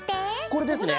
これですね。